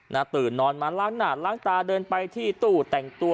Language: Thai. ตื่นนอนมาล้างหน้าล้างตาเดินไปที่ตู้แต่งตัว